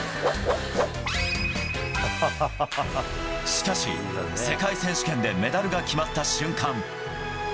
しかし、世界選手権でメダルが決まった瞬間。